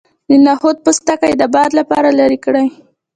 د نخود پوستکی د باد لپاره لرې کړئ